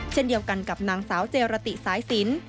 เช่นเดียวกันกับนางสาวเจรติสายสิน